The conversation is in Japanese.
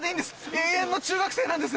永遠の中学生なんです！